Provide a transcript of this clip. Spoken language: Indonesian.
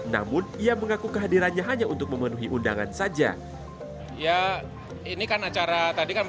namun ia mengaku kehadirannya hanya untuk memenuhi undangan saja